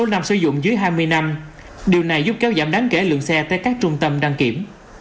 các xe cao số năm sử dụng dưới hai mươi năm điều này giúp kéo giảm đáng kể lượng xe tới các trung tâm đăng kiểm